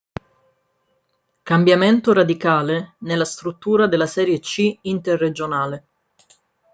Cambiamento radicale nella struttura della serie C Interregionale.